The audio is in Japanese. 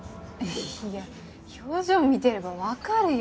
いや表情見てればわかるよ。